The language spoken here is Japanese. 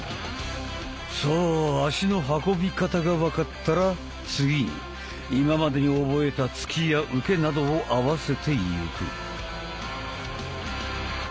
さあ足の運び方が分かったら次に今までに覚えた「突き」や「受け」などを合わせてゆく。